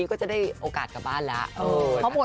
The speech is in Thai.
ก็จะได้โอกาสกลับบ้านแล้ว